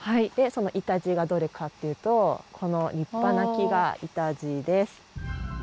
そのイタジイがどれかっていうとこの立派な木がイタジイです。